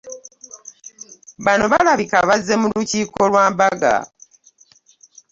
Bano balabika bazze mu lukiiko lwa mbaga.